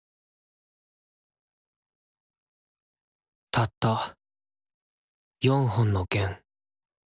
たった４本の弦。